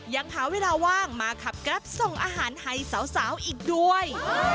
ยังหาเวลาว่างมาขับแกรปส่งอาหารให้สาวอีกด้วย